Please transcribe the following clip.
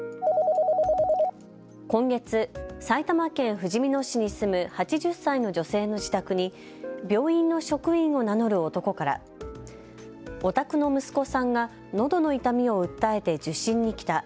今月、埼玉県ふじみ野市に住む８０歳の女性の自宅に病院の職員を名乗る男からお宅の息子さんがのどの痛みを訴えて受診に来た。